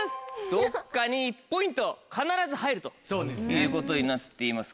どこかに１ポイント必ず入るということになっていますけども。